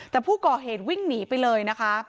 แต่ผู้ก่อเหตุวิ่งหนีไปเลยนะคะ